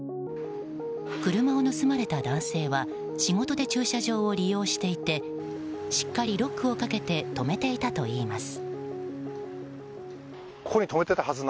車を盗まれた男性は仕事で駐車場を利用していてしっかりロックをかけて止めていたといいます。